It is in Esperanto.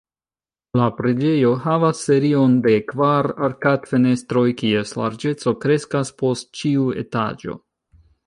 La preĝejo havas serion de kvar arkad-fenestroj kies larĝeco kreskas post ĉiu etaĝo.